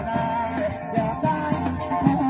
สวัสดีครับทุกคน